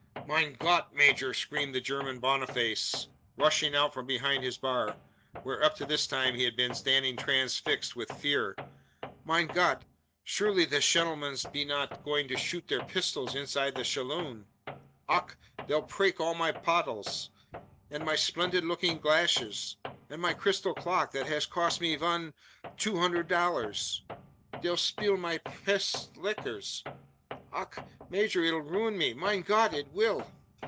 "Mein Gott, major!" screamed the German Boniface, rushing out from behind his bar; where, up to this time, he had been standing transfixed with fear. "Mein Gott surely the shentlemens pe not going to shoot their pisthols inside the shaloon: Ach! they'll preak all my pottles, and my shplendid looking glashes, an my crystal clock, that hash cost me von two hundred dollars. They'll shpill my pesht liquors ach! Major, it'll ruin me mein Gott it will!"